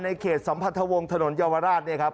ในเขตสัมพัดฐวงถนนยาวราชครับ